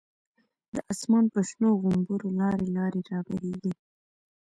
د آسمان په شنو غومبرو، لاری لاری را بهیږی